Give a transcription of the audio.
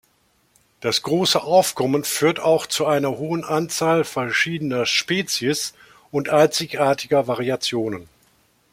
Das große Aufkommen führt auch zu einer hohen Anzahl verschiedener Spezies und einzigartiger Variationen.